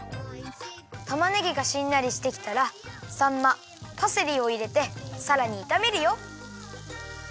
たまねぎがしんなりしてきたらさんまパセリをいれてさらにいためるよ。